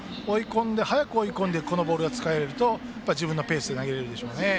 早く追い込んでこのボールが使えると自分のペースで投げれるでしょうね。